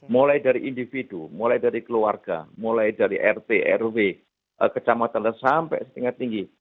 mulai dari individu mulai dari keluarga mulai dari rt rw kecamatan sampai tingkat tinggi